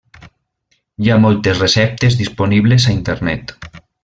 Hi ha moltes receptes disponibles a Internet.